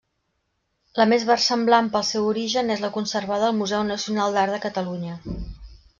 La més versemblant pel seu origen és la conservada al Museu Nacional d'Art de Catalunya.